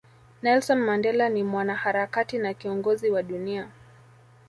Nelson Mandela ni Mwanaharakati na Kiongozi wa dunia